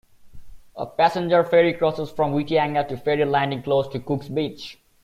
A passenger ferry crosses from Whitianga to Ferry Landing, close to Cooks Beach.